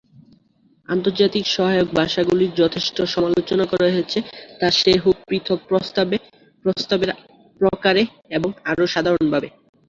আন্তর্জাতিক সহায়ক ভাষাগুলির যথেষ্ট সমালোচনা করা হয়েছে, তা সে হোক পৃথক প্রস্তাবে, প্রস্তাবের প্রকারে, এবং আরো সাধারণভাবে।